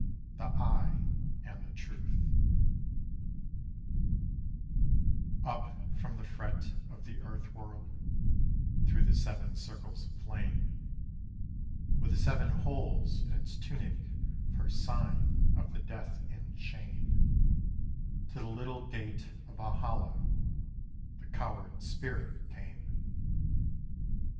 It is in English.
THE EYE AND THE TRUTH Up from the fret of the earth world, through the Seven Circles of Flame, With the seven holes in Its tunic for sign of the death in shame, To the little gate of Valhalla the coward spirit came.